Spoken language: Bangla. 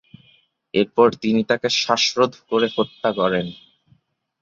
এরপর তিনি তাঁকে শ্বাসরোধ করে হত্যা করেন।